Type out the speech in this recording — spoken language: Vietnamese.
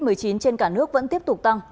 covid một mươi chín trên cả nước vẫn tiếp tục tăng